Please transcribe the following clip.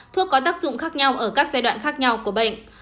thuốc có tác dụng khác nhau ở các giai đoạn khác nhau của bệnh